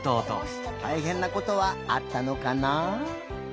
たいへんなことはあったのかな？